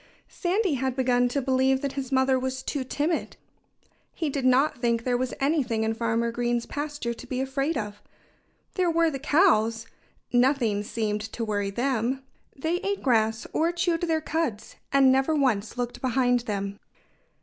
Sandy had begun to believe that his mother was too timid. He did not think there was anything in Farmer Green's pasture to be afraid of. There were the cows nothing seemed to worry them. They ate grass, or chewed their cuds, and never once looked behind them.